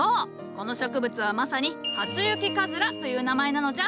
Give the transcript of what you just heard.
この植物はまさに「初雪かずら」という名前なのじゃ。